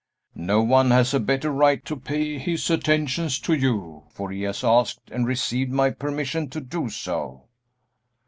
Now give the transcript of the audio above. "No one has a better right to pay his attentions to you, for he has asked and received my permission to do so."